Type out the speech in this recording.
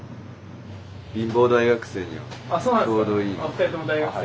２人とも大学生？